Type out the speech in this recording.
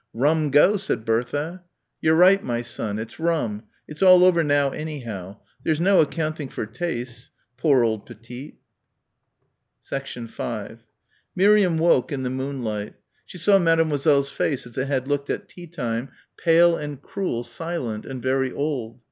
"Rum go," said Bertha. "You're right, my son. It's rum. It's all over now, anyhow. There's no accounting for tastes. Poor old Petite." 5 Miriam woke in the moonlight. She saw Mademoiselle's face as it had looked at tea time, pale and cruel, silent and very old.